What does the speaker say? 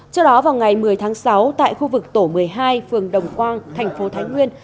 trước đó vào ngày một mươi tháng sáu tại khu vực tổ một mươi hai phường đồng quang thành phố thái nguyên